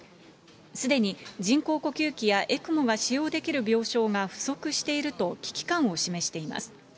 すでに人工呼吸器やＥＣＭＯが使用できる病床が不足していると、危機感を示しています。